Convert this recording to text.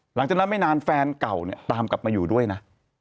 หลังจากนั้นไม่นานแฟนเก่าเนี่ยตามกลับมาอยู่ด้วยนะ